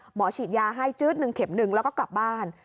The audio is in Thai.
หมอฉีดยาให้จื๊ดหนึ่งเข็มหนึ่งแล้วก็กลับบ้าน